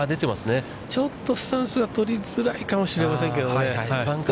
ちょっとスタンスが取りづらいかもしれませんけどね。